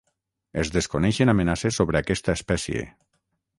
Es desconeixen amenaces sobre aquesta espècie.